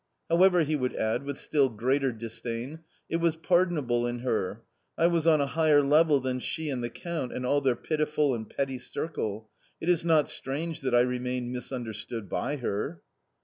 However," he would add, with still greater disdain, " it was pardonable in her ; I was on a higher level than she and the Count and all their pitiful and petty circle ; it is not strange that I remained misunderstood by her.